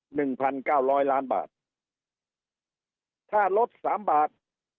หนึ่งพันเก้าร้อยล้านบาท